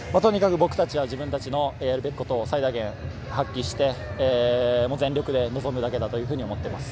僕たちは自分たちのできることを最大限発揮して全力で臨むだけだというふうに思っています。